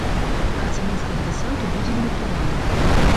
Праца мінскага дэсанту будзе лімітаваная.